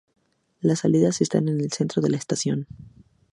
Las salidas están en el centro de la estación.